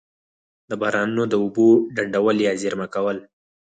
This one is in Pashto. د بارانونو د اوبو ډنډول یا زیرمه کول.